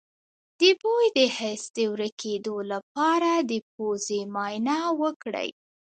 د بوی د حس د ورکیدو لپاره د پوزې معاینه وکړئ